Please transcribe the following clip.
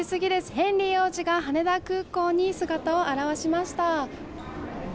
ヘンリー王子が羽田空港に姿を現しました。